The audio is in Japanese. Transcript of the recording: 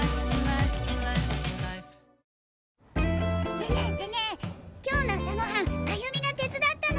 でねでね今日の朝ごはん歩美が手伝ったの。